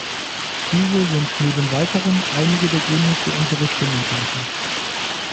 Diese sind neben weiteren einige der Gründe für unsere Stimmenthaltung.